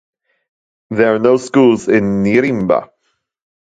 There are no schools in Nirimba.